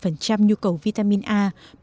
ba mươi năm nhu cầu vitamin a